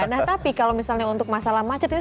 nah tapi kalau misalnya untuk masalah macet itu